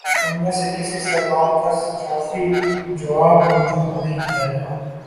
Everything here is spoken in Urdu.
ان میں سے کسی سوال کا شافی جواب مو جود نہیں ہے۔